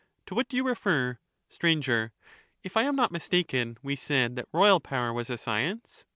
To what do you refer ? Sir. If I am not mistaken, we said that royal power was a science